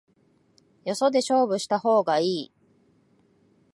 よそで勝負した方がいい